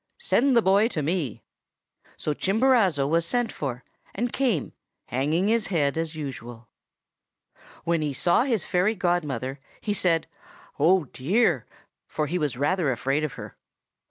Send the boy to me!' "So Chimborazo was sent for, and came, hanging his head as usual. When he saw his fairy godmother, he said, 'Oh, dear!' for he was rather afraid of her.